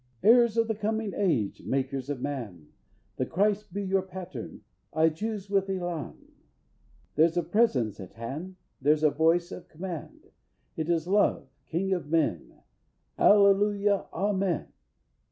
_Heirs of the coming age, Makers of man, The Christ be your pattern, Ay, choose with elan. There's a presence at hand, There's a voice of command It is Love, King of men, Alleluia, Amen!